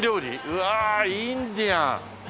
うわインディアン。